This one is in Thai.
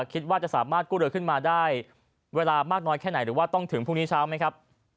คิดว่าจะสามารถกู้เรือขึ้นมาได้เวลามากน้อยแค่ไหนหรือว่าต้องถึงพรุ่งนี้เช้าไหมครับ